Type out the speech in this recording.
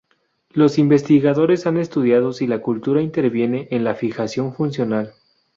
Los investigadores han estudiado si la cultura interviene en la fijación funcional.